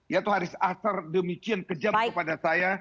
ya itu haris azhar demikian kejam kepada saya